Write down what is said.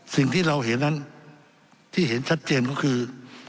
สิ่งที่เราเห็นนั้นที่เห็นชัดเจนก็คือ